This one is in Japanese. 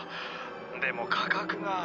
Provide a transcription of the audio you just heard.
でも価格が。